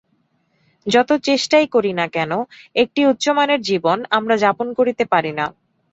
যত চেষ্টাই করি না কেন, একটি উচ্চমানের জীবন আমরা যাপন করিতে পারি না।